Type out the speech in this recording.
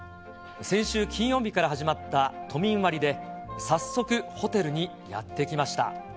先週金曜日から始まった都民割で、早速ホテルにやって来ました。